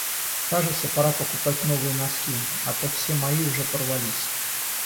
Кажется, пора покупать новые носки, а то все мои уже порвались.